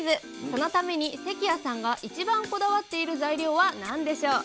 そのために関谷さんが一番こだわっている材料は何でしょう？